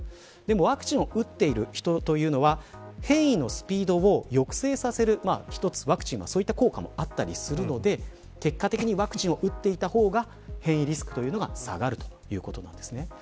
ワクチンを打っている人は変異のスピードを抑制させる１つ、ワクチンはそういった効果もあったりするので結果的にワクチンを打っていた方が変異リスクというものが下がるということです。